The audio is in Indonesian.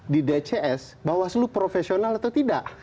di dcs bawaslu profesional atau tidak